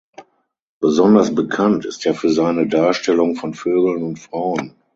Besonders bekannt ist er für seine Darstellung von Vögeln und Frauen.